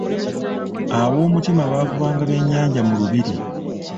Ab’omutima baavubanga bya nnyanja mu lubiri.